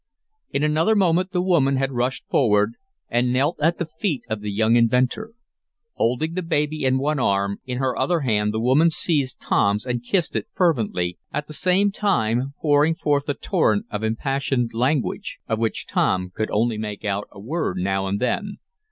In another moment the woman had rushed forward, and knelt at the feet of the young inventor. Holding the baby in one arm, in her other hand the woman seized Tom's and kissed it fervently, at the same time pouring forth a torrent of impassioned language, of which Tom could only make out a word now and then.